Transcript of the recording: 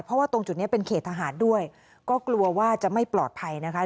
เพราะว่าตรงจุดนี้เป็นเขตทหารด้วยก็กลัวว่าจะไม่ปลอดภัยนะคะ